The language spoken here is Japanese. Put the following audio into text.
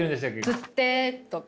「釣って」とか。